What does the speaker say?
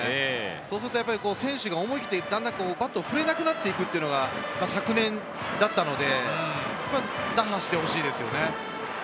そうすると選手が思い切ってだんだんバットを振れなくなるというのが昨年だったので、打破してほしいですね。